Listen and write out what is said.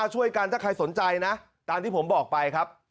ช่วยกันถ้าใครสนใจนะตามที่ผมบอกไปครับ